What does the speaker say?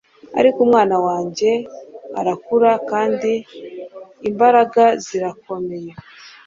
Ariko umwana wanjye arakura kandi imbaraga zirakomeye